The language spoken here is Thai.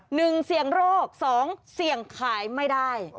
หนึ่งเสี่ยงโรคสองเสี่ยงขายไม่ได้